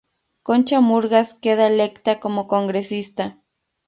Concha Murgas queda electa como congresista.